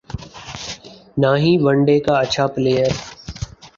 نہ ہی one day کا اچھا پلئیر